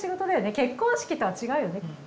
結婚式とは違うよね。